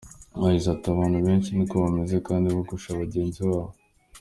Yagize ati “Abantu benshi ni ko bameze kandi bagusha bagenzi babo.